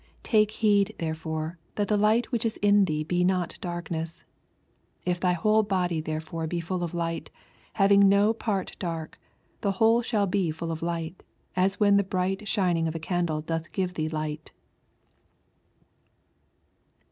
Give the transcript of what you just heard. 35 Take heed therefore that th« light which ic in thee be not dark ness. 36 If thy whole body therefore ^ full of light, having no part dark, the whole shall be full of light, as when the bright shining of a candle doth give thee light.